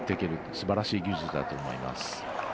すばらしい技術だと思います。